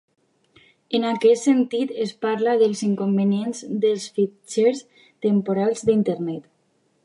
En aquest sentit es parla dels inconvenients dels fitxers temporals d'Internet.